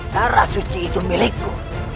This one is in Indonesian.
darah suci itu milikku